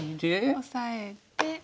オサえて。